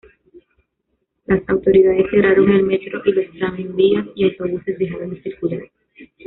Las autoridades cerraron el metro, y los tranvías y autobuses dejaron de circular.